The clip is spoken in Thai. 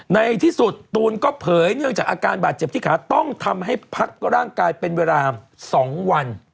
ในที่สุดตูนก็เผยเนื่องจากอาการบาดเจ็บที่ขาต้องทำให้พักร่างกายเป็นเวลา๒วัน